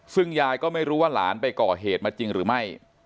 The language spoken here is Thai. ซึ่งยายก็ไม่รู้ว่าหลานไปก่อเหตุมาจริงหรือไม่